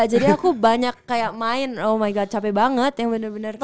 jadi aku banyak kayak main oh my god capek banget yang bener bener gak kebiasa